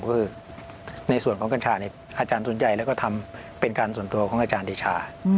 คือในส่วนของกัญชาอาจารย์สนใจแล้วก็ทำเป็นการส่วนตัวของอาจารย์เดชา